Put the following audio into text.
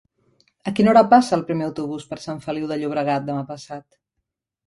A quina hora passa el primer autobús per Sant Feliu de Llobregat demà passat?